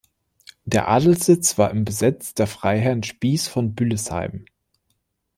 Der Adelssitz war im Besitz der Freiherren Spies von Büllesheim.